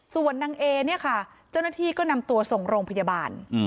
ส่วนนางเอเนี่ยค่ะเจ้าหน้าที่ก็นำตัวส่งโรงพยาบาล